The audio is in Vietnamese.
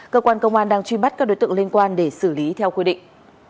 cơ quan công an đang truy bắt các đối tượng liên quan để xử lý theo quy định